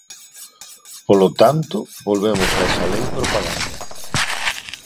Polo tanto, volvemos a esa lei propaganda.